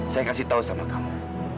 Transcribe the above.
saya kasih tahu sama kamu